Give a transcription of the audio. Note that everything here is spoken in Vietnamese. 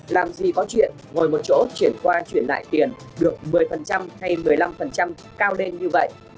làm gì có chuyện ngồi một chỗ chuyển qua chuyển lại tiền được một mươi hay một mươi năm cao lên như vậy